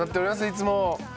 いつも。